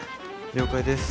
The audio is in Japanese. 了解です。